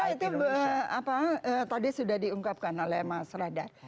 itu apa tadi sudah diungkapkan oleh mas radar